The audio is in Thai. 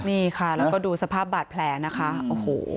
นี่ค่ะแล้วก็ดูสภาพบาดแผลนะคะโอ้โห